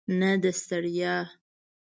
نه د ستړیا.